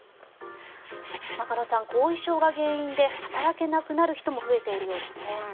中野さん、後遺症が原因で働けなくなる人も増えているようですね。